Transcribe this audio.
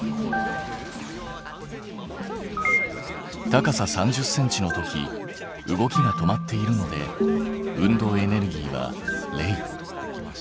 高さ３０ｃｍの時動きが止まっているので運動エネルギーは０。